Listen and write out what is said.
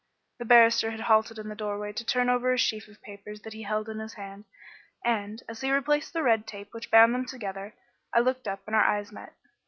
The barrister had halted in the doorway to turn over a sheaf of papers that he held in his hand, and, as he replaced the red tape which bound them together, he looked up and our eyes met.